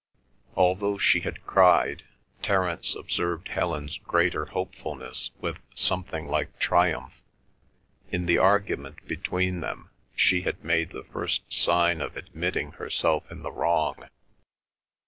Although she had cried, Terence observed Helen's greater hopefulness with something like triumph; in the argument between them she had made the first sign of admitting herself in the wrong.